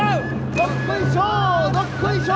どっこいしょ！